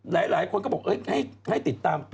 หลายคนก็บอกให้ติดตาม